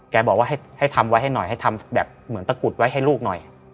บอกว่าให้ทำไว้ให้หน่อยให้ทำแบบเหมือนตะกุดไว้ให้ลูกหน่อย